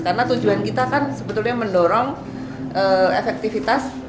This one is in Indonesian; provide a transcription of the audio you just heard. karena tujuan kita kan sebetulnya mendorong efektivitas